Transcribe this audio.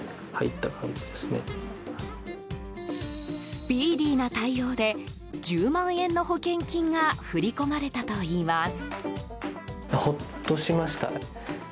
スピーディーな対応で１０万円の保険金が振り込まれたといいます。